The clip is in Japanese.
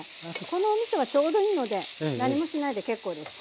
このおみそはちょうどいいので何もしないで結構です。